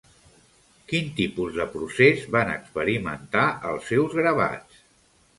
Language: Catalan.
Quin tipus de procés van experimentar els seus gravats?